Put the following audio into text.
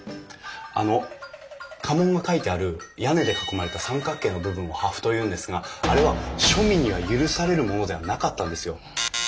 あの家紋が書いてある屋根で囲まれた三角形の部分を破風というんですがあれは庶民には許されるものではなかったんですよ。